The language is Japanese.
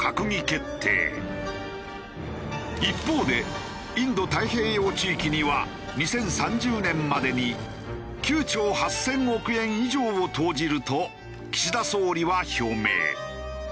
一方でインド太平洋地域には２０３０年までに９兆８０００億円以上を投じると岸田総理は表明。